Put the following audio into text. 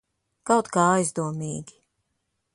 Kaut kā aizdomīgi.